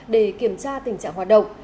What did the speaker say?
để kiểm tra tình trạng hoạt động